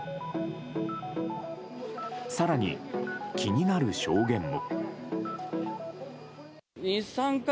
更に、気になる証言も。